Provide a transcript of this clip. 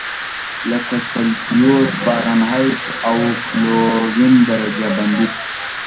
لکه سلسیوس، فارنهایت او کلوین درجه بندي.